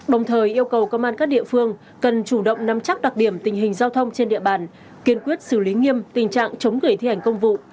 đồng thời yêu cầu công an các địa phương cần chủ động nắm chắc đặc điểm tình hình giao thông trên địa bàn kiên quyết xử lý nghiêm tình trạng chống gửi thi hành công vụ